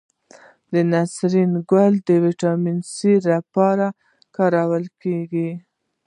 د نسترن ګل د ویټامین سي لپاره وکاروئ